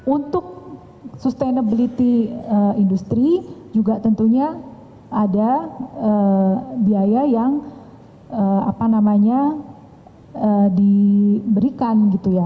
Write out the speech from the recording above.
untuk sustainability industri juga tentunya ada biaya yang diberikan